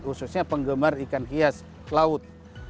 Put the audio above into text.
khususnya penggemar ikan hias laut